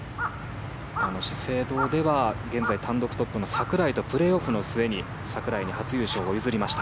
資生堂では現在単独トップの櫻井とプレーオフの末に櫻井に初優勝を譲りました。